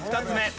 ２つ目。